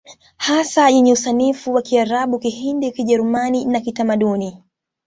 Hasa yenye usanifu wa Kiarabu Kihindi Kijerumani na Kitamaduni